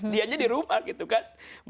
dia aja di rumah gitu kan